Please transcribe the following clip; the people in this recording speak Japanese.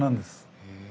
へえ。